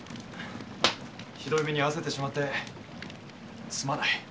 ひどい目に遭わせてしまってすまない。